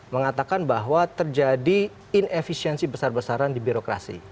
mengatakan bahwa terjadi inefisiensi besar besaran di birokrasi